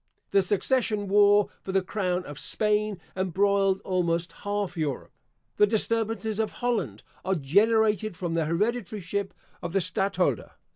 The succession war for the crown of Spain embroiled almost half Europe. The disturbances of Holland are generated from the hereditaryship of the Stadtholder.